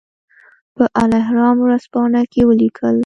په الاهرام ورځپاڼه کې ولیکل.